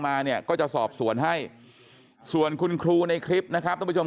มาเนี่ยก็จะสอบสวนให้ส่วนคุณครูในคลิปนะครับท่านผู้ชม